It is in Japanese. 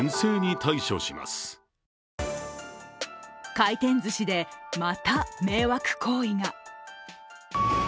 回転ずしで、また迷惑行為が。